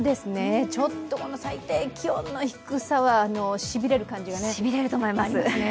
ちょっとこの最低気温の低さは、しびれる感じがありますね。